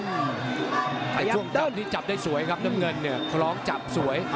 ในช่วงจับนี้จับได้สวยครับน้ำเงินเนี่ยคล้องจับสวย